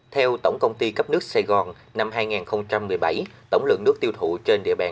theo tổng công ty cấp nước sài gòn năm hai nghìn một mươi bảy tổng lượng nước tiêu thụ trên địa bàn